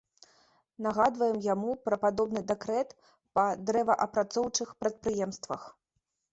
Нагадваем яму пра падобны дэкрэт па дрэваапрацоўчых прадпрыемствах.